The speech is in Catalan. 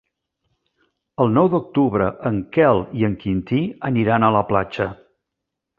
El nou d'octubre en Quel i en Quintí aniran a la platja.